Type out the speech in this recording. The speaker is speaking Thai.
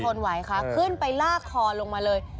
ทนไหวค่ะขึ้นไปลากคอลงมาเลย